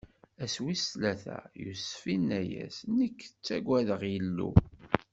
Ass wis tlata, Yusef inna-asen: Nekk ttagadeɣ Illu.